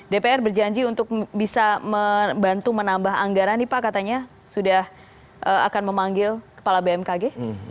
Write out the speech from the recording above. dpr berjanji untuk bisa membantu menambah anggaran nih pak katanya sudah akan memanggil kepala bmkg